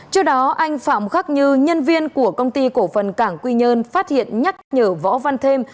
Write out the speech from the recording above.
trước đó anh phạm khắc như nhân viên của công ty cổ phần cảng quy nhơn phát hiện nhắc nhở võ văn thêm